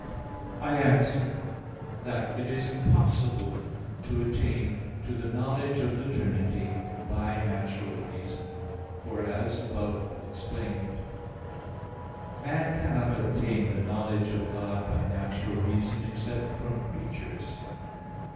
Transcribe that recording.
I answer that, It is impossible to attain to the knowledge of the Trinity by natural reason. For, as above explained (Q. 12, AA. 4, 12), man cannot obtain the knowledge of God by natural reason except from creatures.